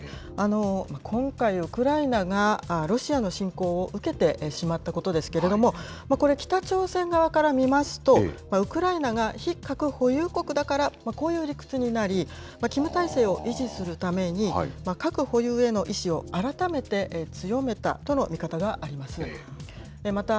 今回、ウクライナがロシアの侵攻を受けてしまったことですけれども、これ、北朝鮮側から見ますと、ウクライナが非核保有国だから、こういう理屈になり、キム体制を維持するために、核保有への意思を改めて強めたとの見方があります。